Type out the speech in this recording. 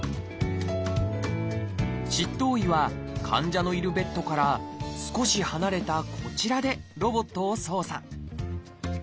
執刀医は患者のいるベッドから少し離れたこちらでロボットを操作。